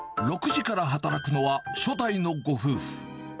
６時から働くのは、初代のご夫婦。